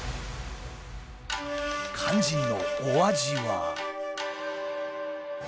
肝心のお味は。